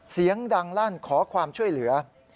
เสียงดังลั่นขอความช่วยเหลือ